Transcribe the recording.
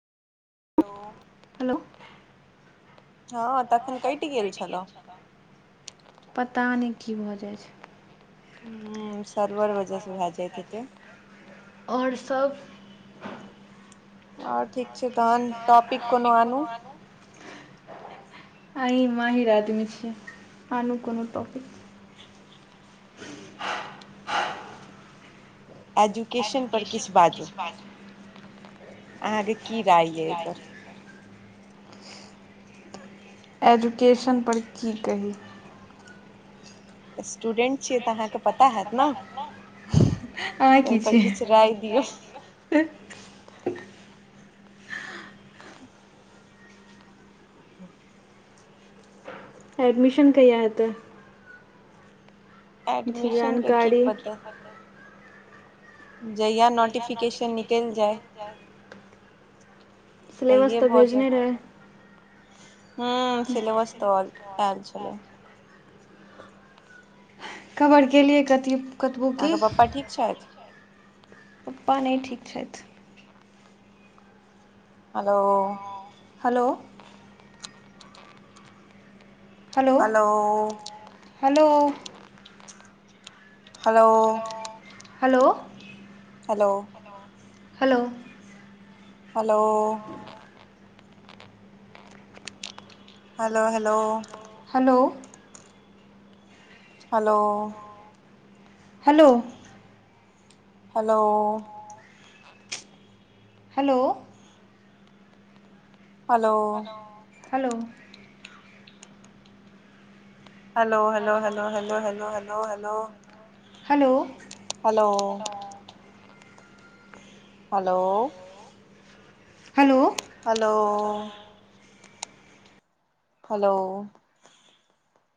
Hello hello हँ तखनि कटि गेल छलौं पता नय की भऽ जाइ छै हुँ सर्वर वजहसँ भए जाइत हेतै आओर-सब आओर ठीक छै तहन टॉपिक कोनो आनू अहीं माहिर आदमी छी आनु कोनो टॉपिक एजुकेशन पर किछ बाजू बाजू अहाँके की राय यऽ अयपर एजुकेशन पर की कही स्टूडेंट छियै तऽ अहाँके पता हैत न अहाँ की तयपर छियै किछु राय दियौ एडमिशन कहिया हेतै किछु एडमिशन के की जानकारी पता जहिया नोटिफिकेशन निकलि जाय सिलेबस तहिये तऽ भेजने रहै हुँ सिलेबस तऽ आयल छलै कवर केलियै कथी कतबो की अहाँके पप्पा ठीक छथि पप्पा नय ठीक छथि। Hello hello hello hello hello hello hello hello hello hello hello hello hello hello hello hello hello hello hello hello hello hello hello hello hello hello hello hello hello hello hello hello